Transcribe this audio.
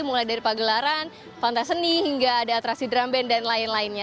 mulai dari pagelaran kontes seni hingga ada atraksi drum band dan lain lainnya